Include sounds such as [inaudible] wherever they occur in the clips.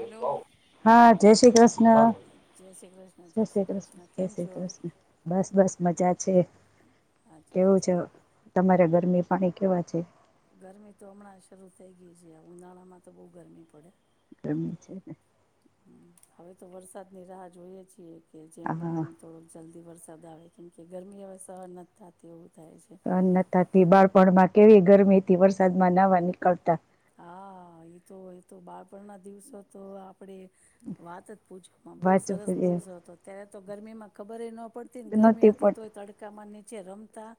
Hello હા, જય શ્રી જય શ્રી કૃષ્ણ કૃષ્ણ-જય જય શ્રી કૃષ્ણ કૃષ્ણ-જય કેમ શ્રી છો કૃષ્ણ બસ- બસ મજા છે. અચ્છા કેવું છે અચ્છા તમારે ગરમી? પાણી કેવા છે? ગરમી તો હમણાં શરૂ થઈ ગઈ છે, ઉનાળા માં તો બઉ ગરમી પડે. ગરમી છે ને? હવે તો વરસાદની રાહ જોઈએ છીએ. કે જેમ બને એમ હા થોડુક જલ્દ વરસાદ આવે કેમ કે ગરમી હવે સહન નથી થાતી હવે. સહન નથ થાતી. બાળક પણમાં કેવી ગરમીથી વરસાદમાં નાવા નીકળતા હા તો એ તો બાળપણ ના દિવસો તો આપણે, વાત જ પૂછવામાં બહુ વાચું સરસ દિવસો હતો, ત્યારે તો ગરમીમાં ખબર એ ન પડતી ને ગરમી નહોતી હતી પણ તોય તડકામાં નીચે ચે રમતા,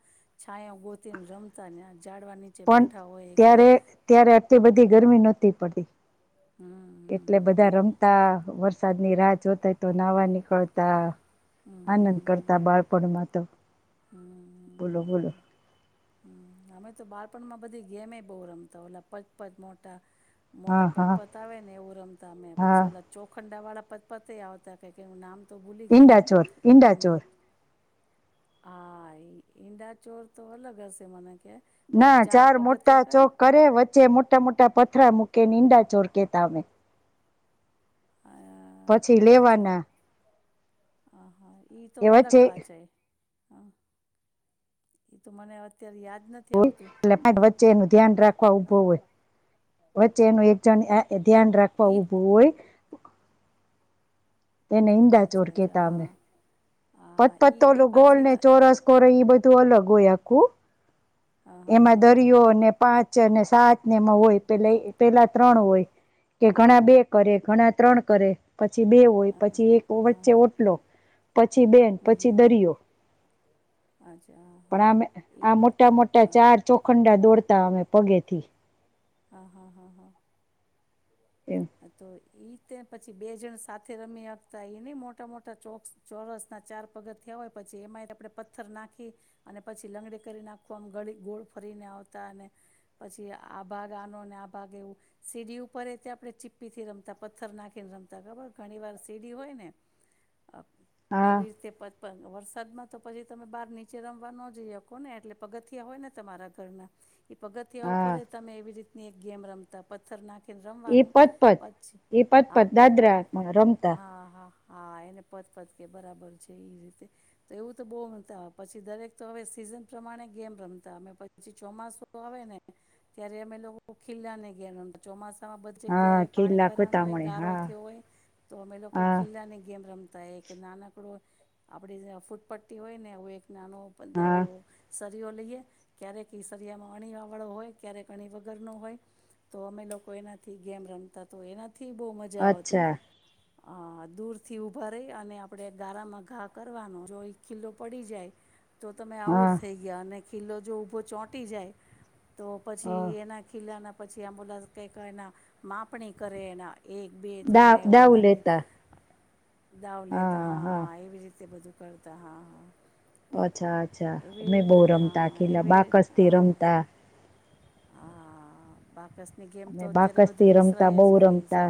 છાયા ગોતીને રમતા ઝાડવા નીચે પણ બેઠા હોય, કે ત્યારે ત્યારે આટલી બધી ગરમી નહોતી પડતી હમ એટલે બધા હમ રમતા વ વરસાદ ની રાહ જોતાય તો નાહવા નીકળતા હમ આનંદ હમ કરતા બાળપણમાં તો બોલો બોલો હમ હમ અમે તો બાળપણમાં બધી ગેમે બહુ રમતા ઓટલા પચ પચ મોટા હા મોટા હા પતપત આવે ને એવું રમતા અમે, હા પછી ઓલા ચોખંડા વાળા પતપત આવતા કઇક એનુ નામ તો બૂલી ગય હું, ઈંડાચોર આમ ઈંડાચોર હા ઈ ઈંડા ચોર તો અલગ હશે મને કે ઓલા ના ચાર મોટા પગથિયા ચોક કરે વચ્ચે મોટા મોટા પ પથરા મૂકે એને ઈંડા ચોર કેતા અમે. અ પછી અચ્છા લેવાના હા, હા. ઈ તો એ અલગ વચ્ચે પાચ આય. હા, ઈ તો મને અત [unintelligible] એટલે વચ્ચે એનું ધ્યાન રાખવા હા ઉભો હોય. વચ્ચે એનું એક જણ અ ધ્યાન રાખવા ઈ ઊભું હોય એને ઈંડા ચોર અચ્છા અચ્છા કેતા અમે. હા પત હા ઈ ઈ પતોલું ગોલ પછી ને ત ચોરસ કોરે ઈ બધું અલગ. ગોયાકું હા હા એમાં હા દરિયો હા અને પાંચ ચને સાત ને એમાં હોય, પેલે ઈ પેલા ત્રણ હોય, કે ઘણા બે કરે ઘણા ત્રણ કરે, પ પછી બે હોય હા હા પછી એક હા વચ્ચે હા ઓટલો. છી બેન હમ હમ પછી હમ. દરિયો. અચ્છા હા હા પણ આમે એ આ મોટા મોટા હા ચાર ચોખંડા દોડતા અમે પગે થી. હા, હા, હા, હા. એમ આ તો એ ઈ તે પછી બે જણ સાથે રમી આપતા એ ન મોટા મોટા ચો ચોરસ ના ચાર પગથયા હોય પછી એમાંય આપે પથ્થર નાખી અને પછી લંગડી કરી નાખવા ગળ ગોળ ફરીને આવતા અને પછી આ ભાગ આનોને આ ભાગ એવું સીડી ઉપર એ તે આપણે ચિપ પી થી રમતા પથ્થર નાખીને રમતા ખબર ઘણી વાર સીડી હોય ને આપડી હા એવી રીતે પથ પણ વરસાદમાં તો પછી તમે બહાર નીચે રમવા નો જઈએ કોને એટલે પગથિયા હોય ને તમારા ઘરના એ પગથિયા ઓ પર હા રહેતા અમે એવી રીત ની એક ગેમ રમતા પથ્થર નાખ કે એ રમવાનું પત પછી એ પદ પ દાદરામાં રમતા હા હા હા એને પત પત કે બરાબર છે ઈજ રીતે. તો એવું તો બહુ રમતાય પછી દરેક તો હવે સીઝન પ્રમાણે ગેમ રમતા. અમે પછી ચોમાસું આવે ને ત્યારે અમે લોકો ખિલ્લા ને ગેમ રમતા ચોમાસું તા બધ હા જગ્યાએ પાણી કિલ્લા ભરાણ હોય કોતામણી ગારો હા થયો હોય, તો અમે લોકો હા ખિલ્લ્લાની ગેમ રમ તા. એક નાનકડું આપડી જે ફૂટપટ્ટી હોય ને એવું એક નાનો પંદઓ હા સર [unintelligible] લઈએ ક્યારેક કેસરિયા મા અણી આવળ હોય, ક્યારેક અણી વગર નો હોય, તો અમે લોકો એનાથી ગેમ રમતા. તો એના થી બહુ મજા આવતી. અચ્છા હા દૂરથી ઊભા રહી અને આપણે ગારામાં ઘા કરવાનો જો એ ખીલો પડી જાય તો તમે આઉટ હા થઈ ગયા અને ખીલો જો ઊભો ચોંટી જાય તો હ પછી એના ખીલાના પછી એમ્બુલન્સ કંઈક એના માપ પણી કરે એના એક બે દા ત્રણે એવું દાવ ઓલાને લેતા દાવ લેતા હા, હા એવી રીતે બધું. કરતા હા, હા. અચ્છા-અચ્છા એવી અમે બોવ રમતા આ હા ખીલા, એવી બાકસથી રમતા. હા, હા, હા બાકસથી ગેમ અમે તો અત્યારે બાકસ થી બધું રમતા વિસરાય બહુ જ ગઈ છે. રમતા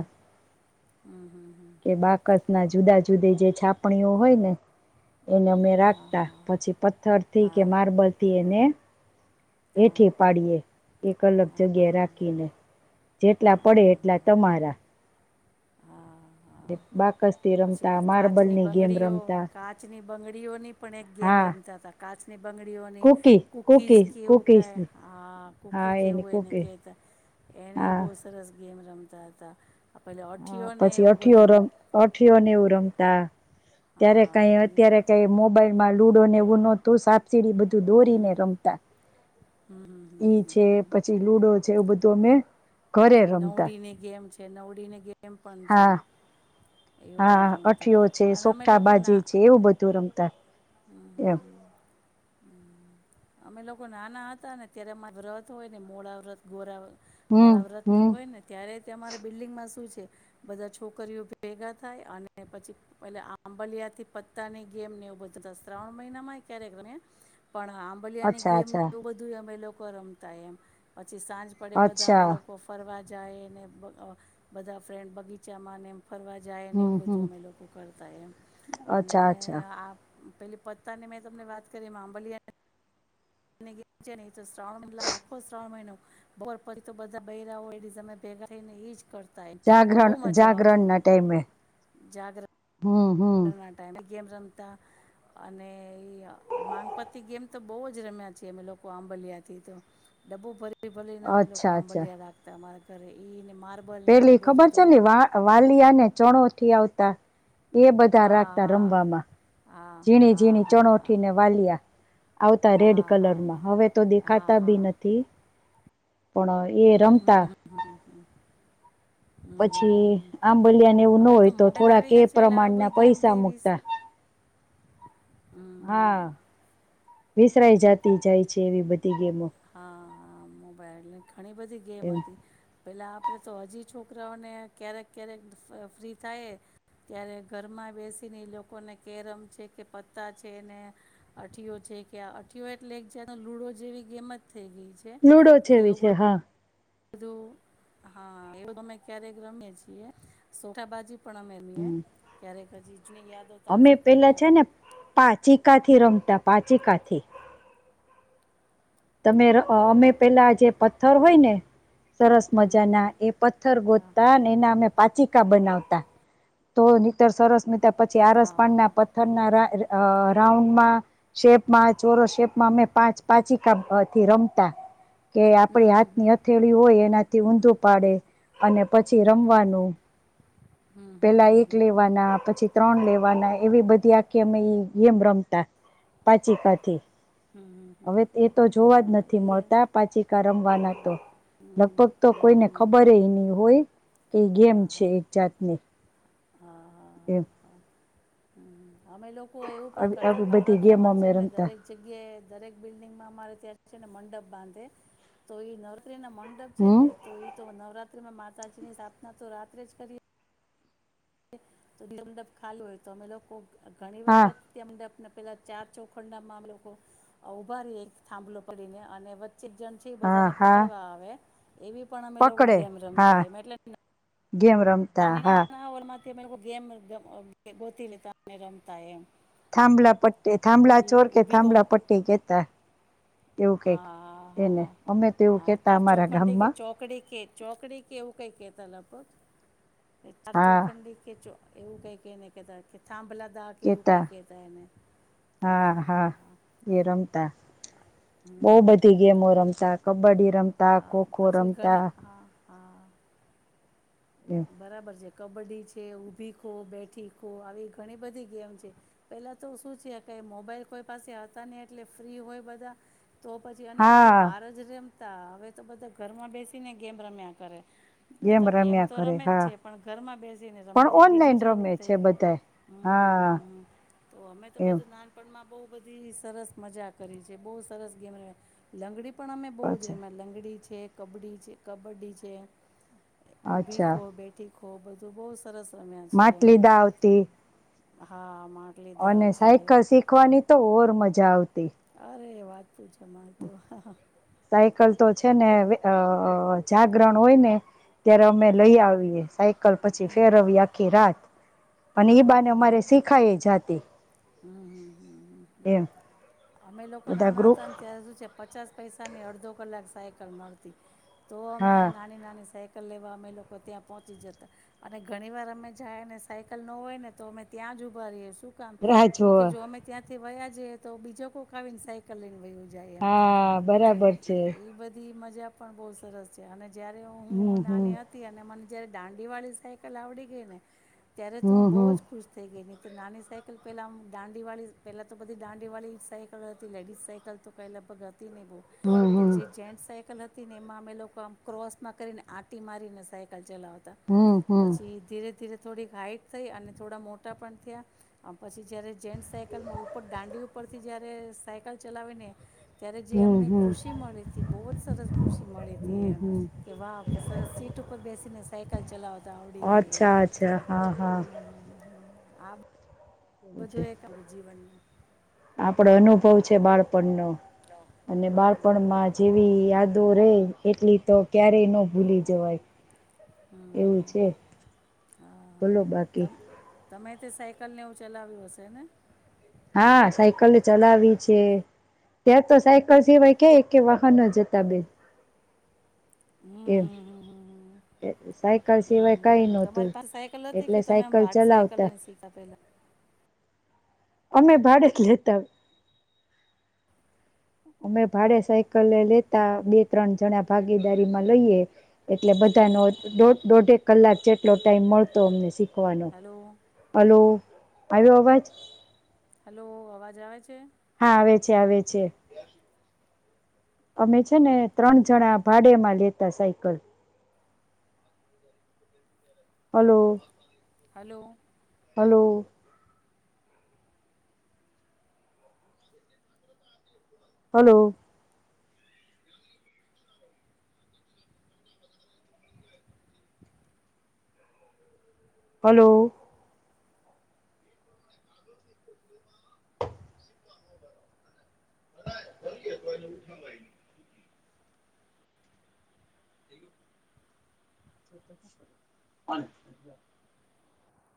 હમ્ભ, હમ્મ. કે બાકસ ના જુદા જુદી જે છાપણીઓ હોય ને એને અમે હા રાખતા, હા પછી પથ્થરથી કે હા માર્બલ થી એને હા એઠી પાડીએ, એક અલગ જગ્યાએ રાખીને. જેટલા પડે એટલા તમારા. દીભાગ પછી ઓલી કાચની બંગડીઓ, રમતા કાચની બંગડીઓની પણ એક ગેમ હા રમતા તા. કાચની બંગડીઓની કુકી કૂકીઝ કુકી એવું કહે કુકીઝ હા હા કૂકી એની કેવું એને કુકી કેતા, એની બહુ સરસ ગેમ રમતા હતા. આ પેલે હા અઠીઓને પછી એવું અઠીયો બધું રમ અઠ્યો ને એવું રમતા. ત્યારે કાઈ હા એ અત્યારે કાઈ મોબાઈલ માં લુડો ને એવું નોતું સાપ સીડી બધ ધું હમ દોરીને રમતા, હમ હમ એ હમ છે, હમ પછી લુડો જેવું બધું અમે ઘરે પછી રમતા નવડીની ગેમ છે. નવડીની ગેમ પણ છે હા, એવું પણ હા રમતા અઠયો છે, અને અમે સોકટા લોકો ના બાજી છે, એવું બધું રમતા. હમ એમ. હમ અમે લોકો નાના હતા ને ત્યારે અમાર વ્રત હોય ને મોડા વ્રત ગોરા હમ મોડા વ્રત ને હમ એવું હોય ને ત્યારે તે અમારે બિલ્ડિંગમાં શું છે તે. બધા છોકરીઓ ભેગા થાય અને પછી એટલે આંબલિયા થી પત્તાની ગેમ ને એ બધ ત્રસા શ્રાવણ મહિનામાં કયારે ગને પણ આાંબલિયાની અચ્છા ગેમ અચ્છા એટલું બધું અમે લોક કો રમતા એમ પ છી સાંજ પડે બધા અમે અચ્છા લોકો ફરવા જાય ને બ અહ બધા ફ્રેન્ડ બગીચામાં અને ફરવા જાય ને એવું હમ હમ બધું અમે લોકો કરતા એમ અને અચ્છા અચ્છા આ પેલી પત્તાની મેં તમને વાત કરી એમાં આમબલિયા ગી છે ને એ તો શ્રાવણ [inaudible] આંખો શ્રાવણ મહિનો બોર પરી તો બધા બૈરાંઓ એડી સમય ઈજ કર તા એન. જાગરણ બહુજ મજા જાગરણ આવતી મ જાગ્ર હા, હા. ગેમ રમતા અને ઈઅ માંગપતી ગેમ તો બહુ જ રમ્યા છે અમે લોકો આંબલિયાથી તો ડબ્બું ભરી ફિર ભલેના અમે લોકો અચ્છા અચ્છા આંબલિયા રાખતા અમારા કરરે ઈ ને માર પેલી ઈ ખબર છે ને વા વાલ થિયાંને ચણોથી આવતા. એ બધા હા રાખતા હા રમવામાં. હા હા ઝીણી ઝીણી હા હા ચણોઠી ને વાલ્યા, આવતા હા લાલ હા હા કલરમાં હા હવે તો હા દેખાતા ભી હા નથી. પણ એ હમ રમતા, હમ હમ હમ હમ હમ હમ પછી હમ આંબલિયાન એવું ના હવે હોય તો મોબાઈલ થોડા આવી કે ગયા છે એટલે પ્રમાણના આવી બધી ગેમ પૈસા તેવી મૂકતા. હમ હા, વિસરાઈ જાતી જાય છે એવી બધી- ગેમો. આ મોબાઈઇલ [unintelligible] ઘણી બધી ગેમ એમ હતી. પહેલાં આપણે તો હજી છોકરાઓને ક્યારેક-ક્યારેક ફ્રી થાય ત્યારે ઘરમાં બેસીને એ લોકોને કેરમ છે કે પત્તા છે ને, અઠીઓ છે કે આ અઠીયો એટલે એક જ લૂડો જેવી ગેમ જ થઈ ગઈ છે, લૂડો તો જેવી એવૂ બધુ છે હા હા એવું અમે ક્યારેક રમીએ છીએ, સોખા બાાજી પણ અમે રમીએ ક્યારેક હજીજની યાદો તાજી કરીએ અમે કાથી રમતા પાચીકાથી. તમે અમે પેલા જે પથ્થર હોય ને સરસ હમ મજા ના એ પથ્થર હા ગોતતા એના અમે પાચી બનાવતા, તો નતર સરસ મ પછી આરસ હા હા પાડના પથ્થરના અ રાઉન્ડમાં, શેપમાં ચોરો શેપમાં અમે પાંચ પાચી કાથી રમતા. કે આપડી હાથ ની અથેળી હોય એના થી ઊંધું પાડે અને પછી રમવાનું. પેલા એક લેવાના, પછી ત્રણ લે બનાઈ એવી બધી આખી અમે ઈ ગેમ રમતા પાચિકાથી. હમ્મ-હમ્મ-હમ્મ. હવે તો જોવા જ નથી મળતા પાચિકા રમવાના તો, લગભગ તો કોઈને ખબર એય નહી હોય. હોય. કે ગેમ છે એક જાતની એમ. હમ્મ. અમે લોકો એવું પણ આવી કરતા આવી બધી ગેમો નવરાત્રામાં અમે છે ને રમતા દરેક જગ્યાએ દરેક બિલ્ડિંગમાં અમારે ત્યાં છેને મંડપ બાંધે તો ઈ નર [unintelligible] ના મંડપ છે હમ ને, તો ઈ તો નવરાત ત્રામાં મા માતાજીની સાપ ના તો રાત્રે જ કરીએ તો [unintelligible] મંડપ ખાલી હોય તો અમે લોકો ઘણી હા વખત [unintelligible] પેલા ચાર ચોખંડામાં અમે લોકો ઊભા રેયે એક થાંભલો પડીને અને વ એક જણ છે એ હા બધાને હા પકડવા આવે. એવી પણ અમે લોકો પકડે ગેમ હા રમતાય એમ એટલે ગેમ રમતા હ. તે મે લોકો ગેમ ગોતી લેતા અને રમતા એમ. થાંભલા પટ્ટી થાંભલા પછી ચોર કે ઊભી ખો થાંભલા પટ્ટી કેતા. એવું હા કઈક હા એને હા અમે તો એવું હા કેતા તાર અમારા ચોખંડી કે ગામમાં ચોકડી કે ચોકડી કેવું કઈ કે તલાપત [unintelligible] એ તાર હા ચોખંડી કે ચ [unintelligible] એવું કઈકે એને કેતા સાંભલા દા કે એવું કં કેતા કતા એને, હા હા. હા. હમ બહ હમ બધી હમ ગેમો રમતા બડી રમતા હા ખોખો પછી ઘણી રમતા. હા હા બરાબર છે. કબડ્ડી છે ઊભી ખો બેઠી ખો આવી ઘણી બધી ગેમ છે, પહેલાં તો શું છે ક મોબાઈલ કોઈ પાસે હતા ને એટલે ફ્રી હોય બધા. તો પછી અને બધા હા બહાર જ રે તા હવે તો બધા ઘરમાં બેસીને ગેમ રમ્યા કરે. બધા ગેમ રમ્યા તો કરે રમે જ હા છે પણ ઘરમાં બેસીને પણ રમે છે ઓનલાઈન ડિજિટલ જ રમે થઈ છે ગયું, બધા હા હમ તો અમે તો એમ બધું નાનપમાં- બહ બધી સરસ મજા કરી છેબહુ સરસ ગેમ લંગડી પણ અમે બોજ અચ્છા લંગડી છે કબડી છે કબડ્ડી છે. ઉભી અચ્છા ખો બેઠી ખહબ બધું બહુ સરસ રમ્યા છીએ માટલી અમે દા આવતી હા. માટલી દાવ અને છે સાયકલ શીખવાની તો ઓર મજા. જાવતી. અરે વાત પું છે મારે તો સાયકલ તો છે ને અ જાગરણ હોય ને અત્યારે અમે લઈ આવીએ સાયકલ પછી ફેરવીએ આખી રાત. અને હમ ઈ હમ બાને અમારે હમ શીખાય જાતી. હમ એમ અમે લોકો બધા નાના ગ્રુપ હતા ત્યારે શું છે પચાસ પૈસા ને અડધો કલાક સાયકલ મળતી. તો અમે હા નાની નાની સાયક કલ લેવા અમે લોકો ત્યાં પહોંચી જતા, અને ઘણીવાર અમે જાય અને સાયકલ ન હોય ને તો અમે ત્યાં જ ઊભા રહીએ. શું કામ? રાહ કેમ કે જોવે જો અમે ત્યાં થી વયા જઈએ તો બીજો કોક આવીને સાયકલ લઈને વયો જાય એમ હા એટલે બરાબર છે ઈ બધી મજ જા પણ બહુ સરસ છે અને જયારે હું હમ હું હમ નાની હતી અને મને જયારે દાંડીવાળી સાયકલ આવડી ગઈ ને ત્યારે તો હું બહુ હમ જ ખુશ થઈ ગઈ તી. નાની સાયકલ પેલા આમ દાંડીવાળી પેલા તો બધી દાંડીવાળી જ સાયકલ હતી લેડીઝ સાયકલ તો કાઈ લગભગ હ તી નહી બહું હમ તો એ હમ જે ચેન સા કલ હતી ને એમાં અમે લોકો આમ ક્રોસમાં કરીને આંટી મારીને સાયકલ ચલાવતા. હમ હમ હમ પછી ધીરે-ધીરે થોડીક હાઈટ થઈ અને થોડા મોટા પણ થયા આ પછી જ્યારે જેન્ટ સાયકલમાં ઉપર દાંડી ઉપરથી જય્યારે સાયકલ ચલાવીને ત્યારે જે એમને હમ હમ ખુશી મળી હતી બહુ જ સરસ ખુશી મળી હતી હમ એમ, હમ કે વાહ કે સરસ સીટ ઉપર બેસીને સાયકલ ચલાવતા આવડી ગઈ એમ અચ્છા અચ્છા હા હા હ હ. આ વધું એક આપણું જીવનનું. આપડો અનુભવ છે બાળપણ નો. હમ અને હમ હમ હમ હમ બાળપણમાં જેવી યાદો રે. એટલી તો ક્યારેય ન ભૂલી જવાય. હમ એવું હમ છે, હા બોલો બાકી. સાઈકલને એવું ચલાવ્યું હશે ને? હા સાયકલ ચલાવી છે, ત્યાં તો સાયકલ સિવાય કે કે વાહનો જતા બેન. હમ હમ એમ, હમ હમ હમ સાયકલ સિવાય કઈ હમ નહતું, તમારી પાસે સાયકલ હતી એટલે કે તમે આમ સાયકલ ભાડ સાયકલ ચલાવતા. લઈને શીખા પેલા અમે ભાડેક લેતા. અમે ભાડે સાયકલ લેતા બે ત્રણ જણા ભાગીદારી માં લઈએ. એટલે હલો બધાનો દોઢેક કલાક જે એટલો ટાઈમ મળતો અમને શીખ કવાનો, હલો હલો. આવ્યો આવાજ? હલો અવાજ આવે છે? હા આવે છે આવે છે. અમે છે ને ત્રણ જણા ભાડેમાં લેતા cycle. Hello. Hello. Hello. Hello. Hello. શાબાશ ફરી. [unintelligible] [inaudible]